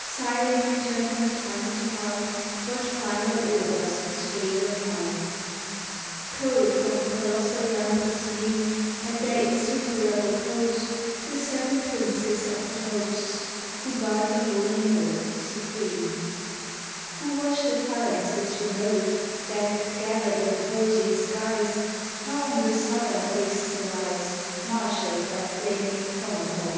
Silent we turn from Time to hark What final Orders sway your might. 44 THE TESTIMONY OF THE SUNS. Cold from colossal ramparts gleam, At their insuperable posts The seven princes of the hosts Who guard the holy North supreme; Who watch the phalanxes remote That, gathered in opposing skies, Far on the southern wastes arise, Marshalled by flaming Fomalhaut.